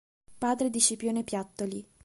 Padre di Scipione Piattoli.